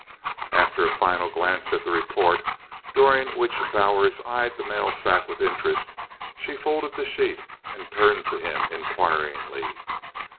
After a final glance at the report, during which Bowers eyed the mail sack with interest, she folded the sheet and turned to him inquiringly.